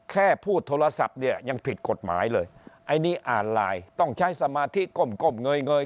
แค่พูดโทรศัพท์เนี่ยยังผิดกฎหมายเลยอันนี้อ่านไลน์ต้องใช้สมาธิก้มก้มเงย